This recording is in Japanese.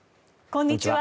こんにちは。